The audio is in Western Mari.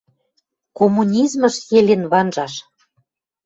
«Коммунизмыш, Елен, ванжаш